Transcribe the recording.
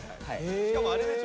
しかもあれでしょ？